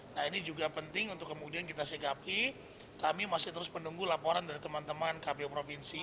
nah ini juga penting untuk kemudian kita sikapi kami masih terus menunggu laporan dari teman teman kpu provinsi